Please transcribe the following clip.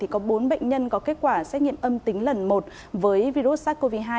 có bốn bệnh nhân có kết quả xét nghiệm âm tính lần một với virus sars cov hai